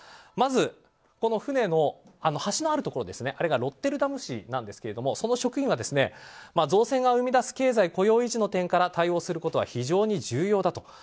まず、船の橋のあるところあれがロッテルダム市なんですがその職員は造船が生み出す経済・雇用維持の点から対応することは非常に重要だと。